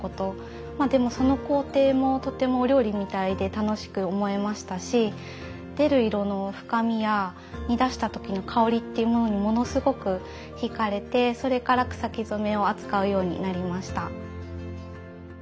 まあでもその工程もとてもお料理みたいで楽しく思えましたし出る色の深みや煮出した時の香りっていうものにものすごく引かれてそれから草木染めを扱うようになりました。